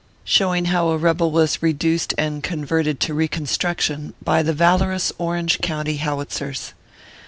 SHOWING HOW A REBEL WAS REDUCED, AND CONVERTED TO " RECON STRUCTION," BY THE VALOROUS ORANGE COUNTY HOWITZERS.